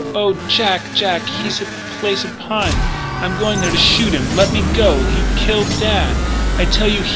Oh, Jack, Jack, he's at the Place of Pines! I'm going there to shoot him! Let me go! he's killed Dad, I tell you!